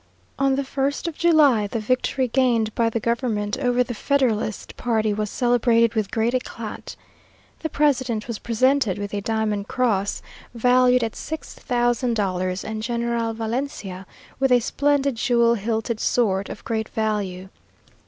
On the 1st of July, the victory gained by the government over the federalist party was celebrated with great éclat. The president was presented with a diamond cross, valued at six thousand dollars, and General Valencia with a splendid jewel hilted sword of great value.